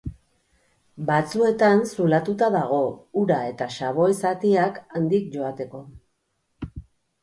Batzuetan zulatuta dago ura eta xaboi zatiak handik joateko.